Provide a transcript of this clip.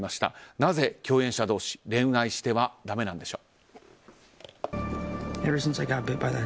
なぜ、共演者同士恋愛してはだめなんでしょう。